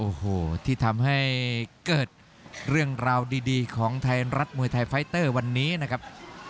โอ้โหที่ทำให้เกิดเรื่องราวดีของไทยรัฐมวยไทยไฟเตอร์วันนี้นะครับ